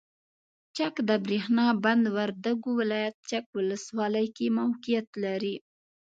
چک دبریښنا بند وردګو ولایت چک ولسوالۍ کې موقعیت لري.